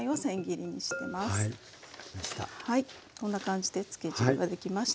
こんな感じでつけ汁が出来ました。